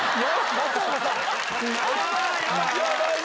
松岡さん。